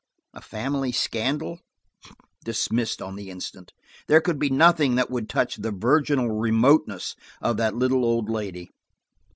A family scandal? Dismissed on the instant. There could be nothing that would touch the virginal remoteness of that little old lady.